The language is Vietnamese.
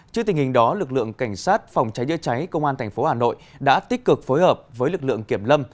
trước tình hình đó lực lượng cảnh sát phòng cháy chữa cháy công an tp hà nội đã tích cực phối hợp với lực lượng kiểm lâm